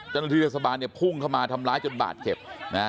เจ้าหน้าที่เทศบาลเนี่ยพุ่งเข้ามาทำร้ายจนบาดเจ็บ